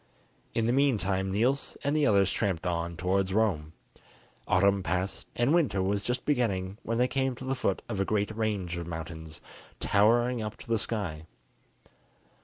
In the meantime Niels and the others tramped on towards Rome. Autumn passed, and winter was just beginning when they came to the foot of a great range of mountains, towering up to the sky.